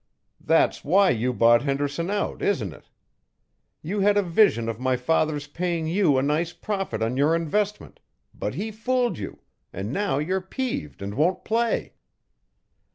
That's why you bought Henderson out, isn't it? You had a vision of my father's paying you a nice profit on your investment, but he fooled you, and now you're peeved and won't play."